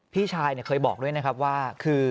พี่ชายเคยบอกด้วยนะครับว่าคือ